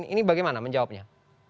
ini bagaimana menjawabnya